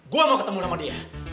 gue mau ketemu sama dia